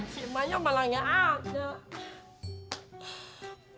si emaknya malah tidak ada